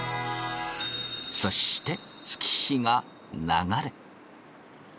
そして月日が流れ。